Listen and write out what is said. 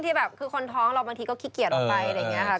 ที่คนท้องเราบางทีก็ขี้เกียจออกไป